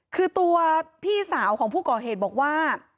คือตัวพี่สาวของผู้ก่อเหตุบอกว่า